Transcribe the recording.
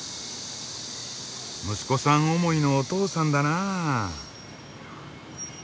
息子さん思いのお父さんだなあ。